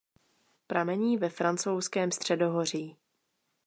Pramení ve Francouzském středohoří.